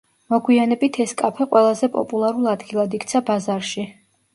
მოგვიანებით ეს კაფე ყველაზე პოპულარულ ადგილად იქცა ბაზარში.